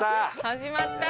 始まった。